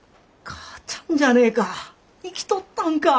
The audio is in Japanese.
母ちゃんじゃねえか生きとったんか！